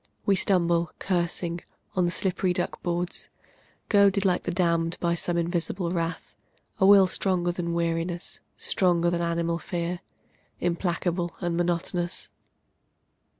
We stumble, cursing, on the slippery duck boards. Goaded like the damned by some invisible wrath, A will stronger than weariness, stronger than animal fear, Implacable and monotonous.